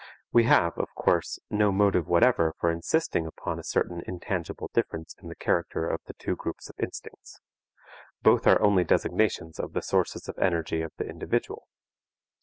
We have, of course, no motive whatever for insisting upon a certain intangible difference in the character of the two groups of instincts. Both are only designations of the sources of energy of the individual.